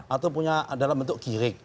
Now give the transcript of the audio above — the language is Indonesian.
atau punya dalam bentuk girik